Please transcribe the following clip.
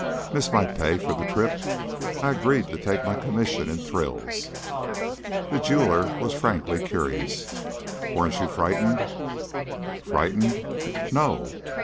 Miss my pay for the trip? I agreed to take my commission in thrills." The jeweler was frankly curious. "Weren't you frightened?" "Frightened? No."